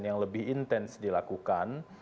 yang lebih intens dilakukan